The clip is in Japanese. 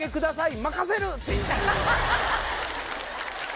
「任せる」。